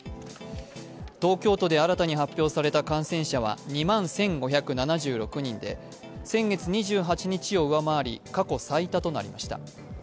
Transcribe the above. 東京都で新たに発表された感染者は２万１５７６人で、先月２８日を上回り、過去最多となりました。